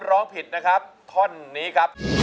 ร้องเข้าให้เร็ว